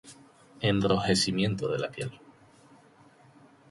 Enrojecimiento de la piel.